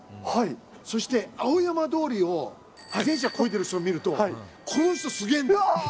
そして青山通りを、自転車こいでる人見ると、この人すげー。